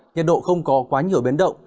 nhiệt độ không có quá nhiều biến động